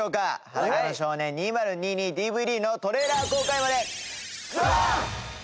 『裸の少年２０２２ＤＶＤ』のトレーラー公開まで。